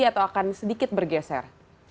atau akan sedikit bergeser